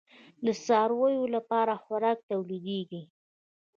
د څارویو لپاره خوراکه تولیدیږي؟